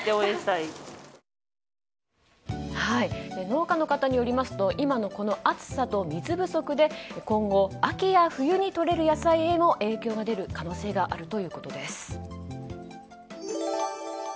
農家の方によりますと今の暑さと水不足で今後、秋や冬にとれる野菜へも影響が出る可能性があるということです。